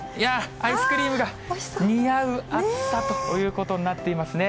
アイスクリームが似合う暑さということになっていますね。